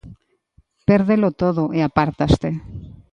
Pérdelo todo e apártaste.